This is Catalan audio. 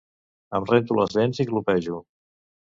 Em rento les dents i glopejo